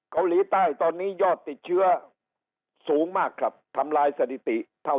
เกาหลีใต้ตอนนี้ยอดติดเชื้อสูงมากครับทำลายสถิติเท่า